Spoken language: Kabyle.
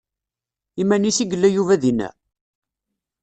Iman-is i yella Yuba dinna?